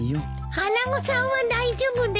穴子さんは大丈夫ですか？